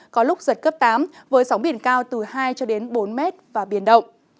có lúc giật cấp tám với sóng biển cao từ hai bốn m và biển động